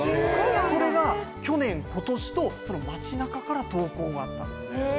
それが去年、今年と街なかから投稿があったんです。